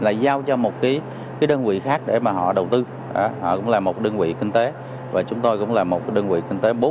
lại giao cho một cái đơn vị khác để mà họ đầu tư họ cũng là một đơn vị kinh tế và chúng tôi cũng là một đơn vị kinh tế bút